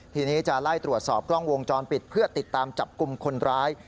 ทีนี้จะไล่ตรวจสอบกล้องวงจรปิดเพื่อติดตามจับกลุ่มคนร้าย